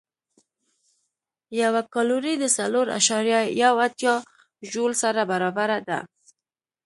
یوه کالوري د څلور اعشاریه یو اتیا ژول سره برابره ده.